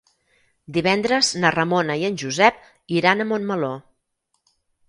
Divendres na Ramona i en Josep iran a Montmeló.